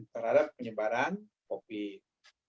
terhadap penyebaran covid